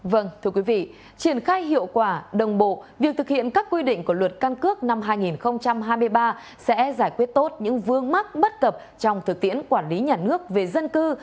vâng thưa quý vị triển khai hiệu quả đồng bộ việc thực hiện các quy định của luật căn cước năm hai nghìn hai mươi ba sẽ giải quyết tốt những vương mắc bất cập trong thực tiễn quản lý nhà nước về dân cư